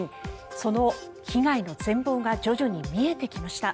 その被害の全ぼうが徐々に見えてきました。